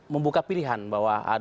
membuka pilihan bahwa